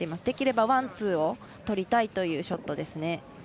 できればワン、ツーを取りたいというショットですね。